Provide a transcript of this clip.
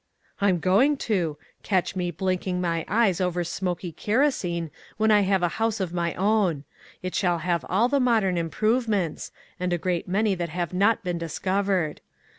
" I'm going to. Catch me blinking my eyes over smoky kerosene when I have a house of my own. It shall have all the modern improvements, and a great many that have not been discovered.